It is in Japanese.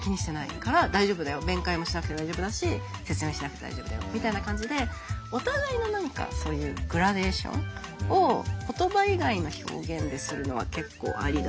弁解もしなくて大丈夫だし説明しなくて大丈夫だよみたいな感じでお互いの何かそういうグラデーションを言葉以外の表現でするのは結構ありだなって思いました。